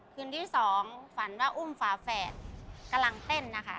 คืนที่สองฝันว่าอุ้มฝาแฝดกำลังเต้นนะคะ